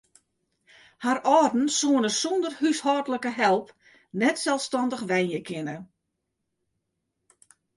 Har âlden soene sûnder húshâldlike help net selsstannich wenje kinne.